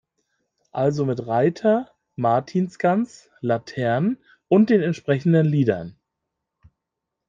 Also mit Reiter, Martinsgans, Laternen und den entsprechenden Liedern.